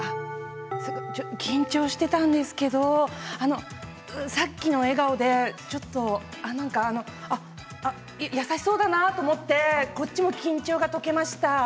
緊張していたんですけれどさっきの笑顔でちょっと優しそうだなと思ってこっちも緊張が解けました。